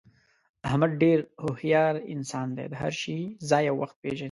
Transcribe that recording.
احمد ډېر هوښیار انسان دی، د هر شي ځای او وخت پېژني.